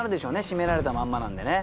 しめられたまんまなんでね。